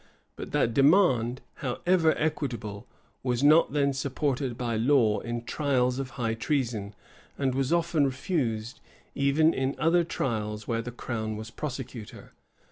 But that demand, however equitable, was not then supported by law in trials of high treason, and was often refused, even in other trials where the crown was prosecutor.